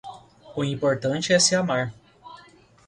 o importante é se amar